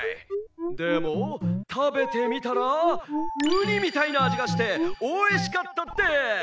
でもたべてみたらうにみたいなあじがしておいしかったです！